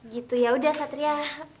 gitu yaudah satria